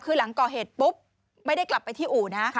คือหลังก่อเหตุปุ๊บไม่ได้กลับไปที่อู่นะ